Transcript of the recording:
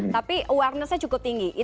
tapi awarenessnya cukup tinggi